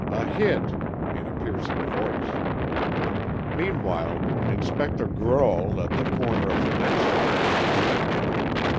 a hit!" in a piercing voice. Meanwhile Inspector Grolle at the corner of the next street was dreaming.